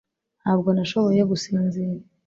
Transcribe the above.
Ntabwo nashoboye gusinzira